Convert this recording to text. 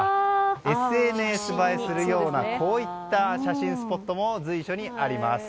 ＳＮＳ映えするようなこういった写真スポットも随所にあります。